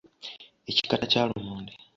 Ekikata kya lumonde.